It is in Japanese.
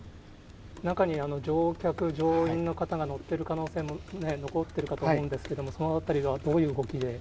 中に乗客・乗員の方が乗ってる可能性も残ってるかと思うんですけども、そのあたりは、どういう動きで？